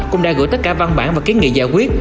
cũng đã gửi tất cả văn bản và kiến nghị giải quyết